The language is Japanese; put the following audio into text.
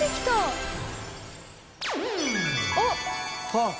あっ！